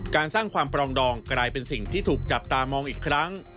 สร้างความปรองดองกลายเป็นสิ่งที่ถูกจับตามองอีกครั้ง